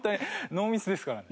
ノーミスですからね。